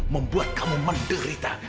membuat kamu menderita